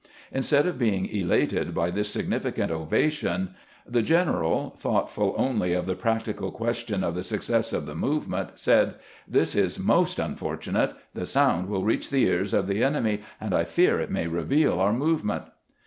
In stead of being elated by this significant ovation, the general, thoughtful only of the practical question of the success of the movement, said :" This is most unfortu nate. The sound will reach the ears of the enemy, and I fear it may reveal our movement."